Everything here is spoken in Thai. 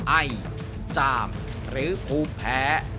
ไอจามหรือภูแผล